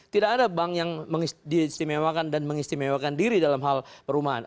tidak ada bank yang mengistimewakan dan mengistimewakan diri dalam hal perumahan